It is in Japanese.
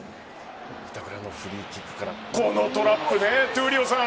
板倉のフリーキックからこのトラップで闘莉王さん。